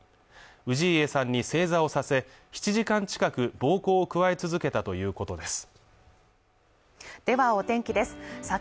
氏家さんに正座をさせ７時間近く暴行を加え続けたということです